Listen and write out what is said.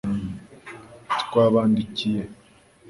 twabandikiye